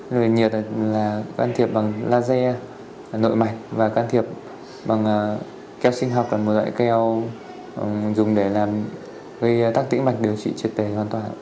nhiệt là can thiệp bằng laser nội mạch và can thiệp bằng keo sinh học là một loại keo dùng để làm gây tác tĩnh mạch điều trị triệt đẻ hoàn toàn